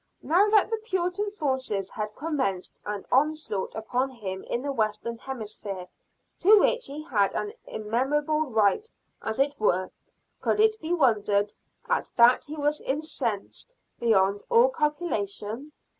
Now that the Puritan forces had commenced an onslaught upon him in the western hemisphere, to which he had an immemorial right as it were, could it be wondered at that he was incensed beyond all calculation?